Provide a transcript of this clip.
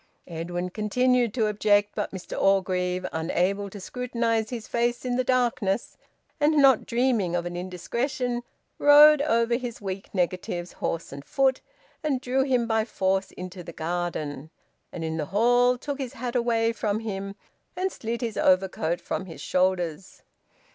Edwin continued to object, but Mr Orgreave, unable to scrutinise his face in the darkness, and not dreaming of an indiscretion, rode over his weak negatives, horse and foot, and drew him by force into the garden; and in the hall took his hat away from him and slid his overcoat from his shoulders.